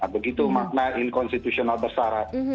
begitu makna inkonstitusional bersarat